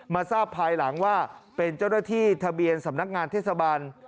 ทราบภายหลังว่าเป็นเจ้าหน้าที่ทะเบียนสำนักงานเทศบาล